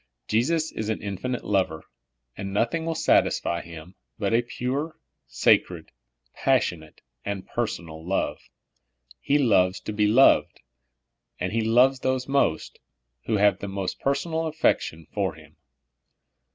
Jesus is an infinite lover, and nothing will satisfy Him but a pure, sacred, passionate, and per sonal love. He loves to be loved. He loves those most who have the most personal affection for Him.